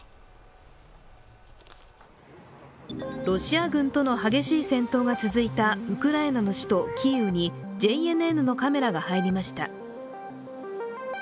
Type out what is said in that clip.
ロシア軍との激しい戦闘が続いたウクライナの首都キーウにＪＮＮのカメラが入りました。